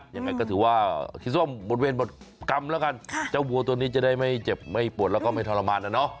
ยังไงก็ถือว่าสีส้มหมดเวรหมดกรรมแล้วกันเจ้าวัวตัวนี้จะได้ไม่เจ็บไม่ปวดแล้วก็ไม่ทรมานนะเนาะ